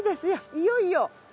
いよいよ。